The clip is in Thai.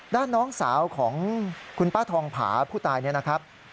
น้องสาวของคุณป้าทองผาผู้ตายเนี่ยนะครับ